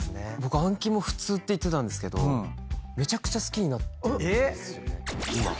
僕あん肝普通って言ってたんですけどめちゃくちゃ好きになって今。